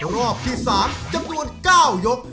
รอบที่๓จำนวน๙ยก